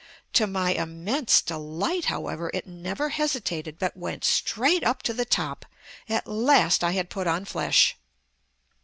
To my immense delight, however, it never hesitated but went straight up to the top. At last I had put on flesh!